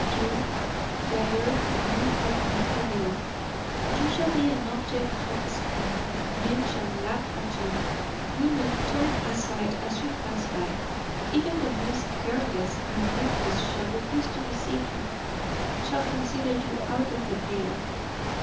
You fair, beautiful, imperial you shall be an object of scorn; men shall laugh at you, women turn aside as you pass by. Even the most careless and reckless shall refuse to receive you shall consider you out of the pale.